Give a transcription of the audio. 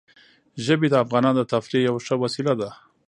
ژبې د افغانانو د تفریح یوه ښه وسیله ده.